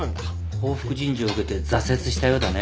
報復人事を受けて挫折したようだね。